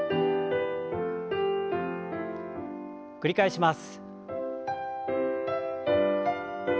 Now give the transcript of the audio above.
繰り返します。